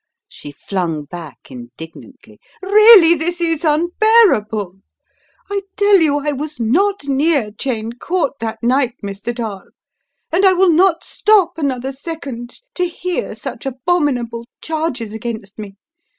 she flung back, indig nantly. "Really, this is unbearable! I tell you I was not near Cheyne Court that night, Mr. Dall, and I will not stop another second to hear such abominable charges against me!